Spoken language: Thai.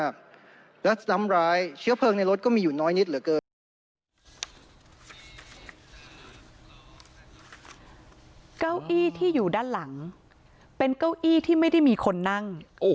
เก้าอี้ที่อยู่ด้านหลังเป็นเก้าอี้ที่ไม่ได้มีคนนั่ง